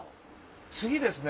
次ですね